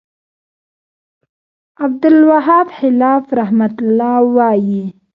ب : عبدالوهاب خلاف رحمه الله وایی